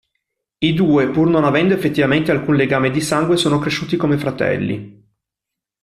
I due, pur non avendo effettivamente alcun legame di sangue, sono cresciuti come fratelli.